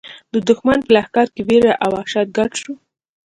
د دښمن په لښکر کې وېره او وحشت ګډ شو.